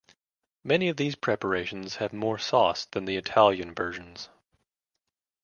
Many of these preparations have more sauce than the Italian versions.